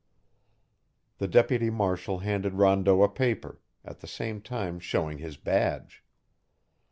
The deputy marshal handed Rondeau a paper, at the same time showing his badge.